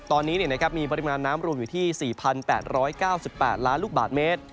ตอนนี้มีปริมาณน้ำรวมอยู่ที่๔๘๙๘ล้านลูกบาทเมตร